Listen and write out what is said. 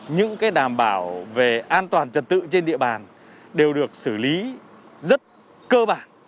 những đảm bảo về an toàn trật tự trên địa bàn đều được xử lý rất cơ bản